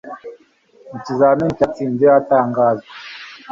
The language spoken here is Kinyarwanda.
mu kizamini cyanditse hatangazwa